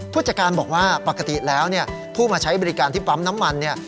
ผู้จัดการบอกว่าปกติแล้วเนี่ยผู้มาใช้บริการที่ปั๊มน้ำมันเนี่ย